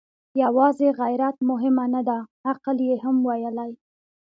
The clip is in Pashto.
يواځې غيرت مهمه نه ده، عقل يې هم ويلی.